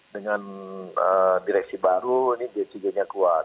dengan direksi baru ini gcg nya kuat